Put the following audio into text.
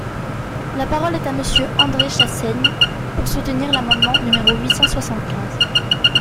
La parole est à Monsieur André Chassaigne, pour soutenir l’amendement numéro huit cent soixante-quinze.